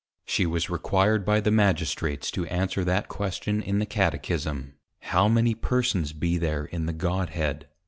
She was required by the Magistrates to answer that Question in the Catechism, _How many persons be there in the God head?